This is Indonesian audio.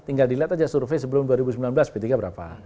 tinggal dilihat aja survei sebelum dua ribu sembilan belas p tiga berapa